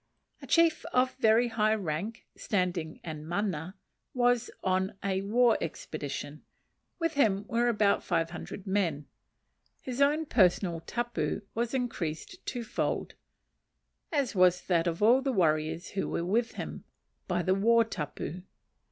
A chief of very high rank, standing, and mana, was on a war expedition; with him were about five hundred men. His own personal tapu was increased twofold, as was that of all the warriors who were with him, by the war tapu.